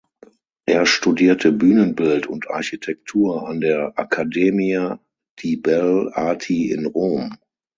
Er studierte Bühnenbild und Architektur an der Accademia di Belle Arti in Rom.